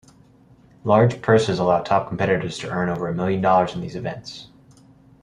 Large purses allow top competitors to earn over a million dollars in these events.